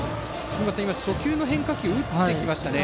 今、初球の変化球を打ってきましたね。